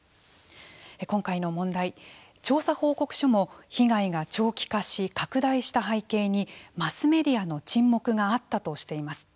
今回の問題、調査報告書も被害が長期化し拡大した背景にマスメディアの沈黙があったとしています。